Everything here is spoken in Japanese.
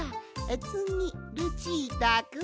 つぎルチータくん！